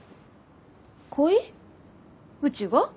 恋？うちが？